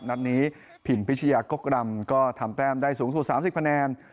นัดนี้พิมพิชยากกรำก็ทำแต้มได้สูงสุด๓๐คะแนน